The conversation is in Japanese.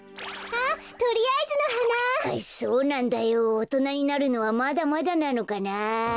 おとなになるのはまだまだなのかなあ。